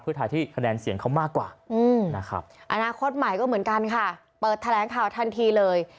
เพื่อไทยที่คะแนนเสียงเขามากกว่านะครับอนาคตใหม่ก็เหมือนกันค่ะเปิดแถลงข่าวทันทีเลย